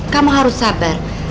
kamu harus sabar